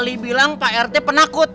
kali bilang pak rt penakut